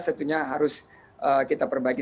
tentunya harus kita perbaiki